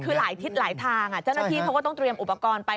คือหลายทิศหลายทางเจ้าหน้าที่เขาก็ต้องเตรียมอุปกรณ์ไป